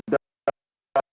dan menjaga kekuasaan kita